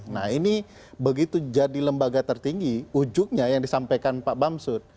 nah ini begitu jadi lembaga tertinggi ujungnya yang disampaikan pak bamsud